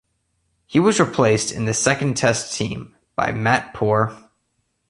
He was replaced in the Second Test team by Matt Poore.